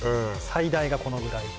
最大がこのぐらい